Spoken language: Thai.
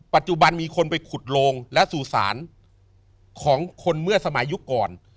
ปัจจุบันมีคนไปขุดโลงและสู่สารของคนเมื่อสมัยยุคก่อน